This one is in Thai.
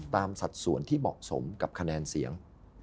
สัดส่วนที่เหมาะสมกับคะแนนเสียง